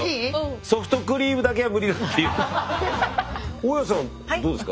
大家さんどうですか？